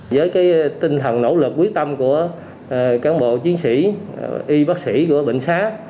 với cái tinh thần nỗ lực quyết tâm của cán bộ chiến sĩ y bác sĩ của bệnh sá